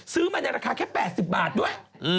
ซื้อมาในราคาแค่๘๐บาทด้วย